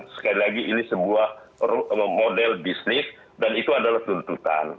sekali lagi ini sebuah model bisnis dan itu adalah tuntutan